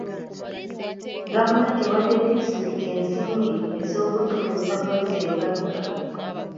Gavumenti ewadde disitulikiti ensimbi ez'okugituusa ku ezo engagga.